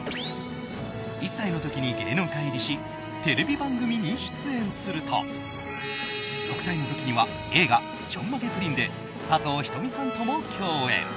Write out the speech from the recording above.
１歳の時に芸能界入りしテレビ番組に出演すると６歳の時には映画「ちょんまげぷりん」で佐藤仁美さんとも共演。